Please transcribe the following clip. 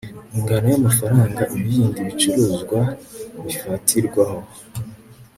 ingano y'amafaranga ibindi bicuruzwa bifatirwaho